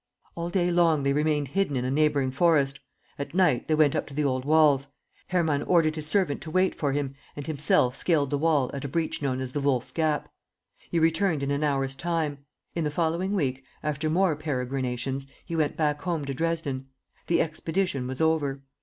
"All day long, they remained hidden in a neighboring forest. At night, they went up to the old walls. Hermann ordered his servant to wait for him and himself scaled the wall at a breach known as the Wolf's Gap. He returned in an hour's time. In the following week, after more peregrinations, he went back home to Dresden. The expedition was over."